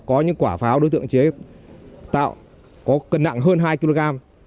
có những quả pháo đối tượng chế tạo có cân nặng hơn hai kg